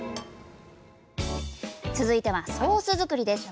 続いてはソース作りです。